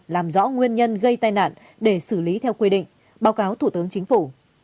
làm rõ nguyên nhân gây tai nạn để xử lý theo quy định báo cáo thủ tướng chính phủ